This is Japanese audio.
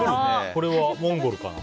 これはモンゴルかな。